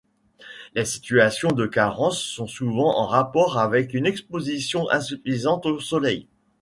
Les situations de carence sont souvent en rapport avec une exposition insuffisante au soleil.